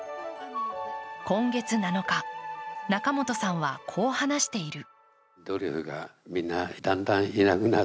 今月７日、仲本さんはこう話している。